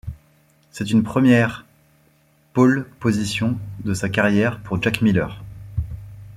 C'est une première pôle position de sa carrière pour Jack Miller.